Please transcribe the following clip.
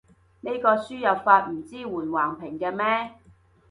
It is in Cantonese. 呢個輸入法唔支援橫屏嘅咩？